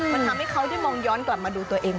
มันทำให้เขาได้มองย้อนกลับมาดูตัวเอง